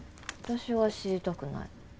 私は知りたくない。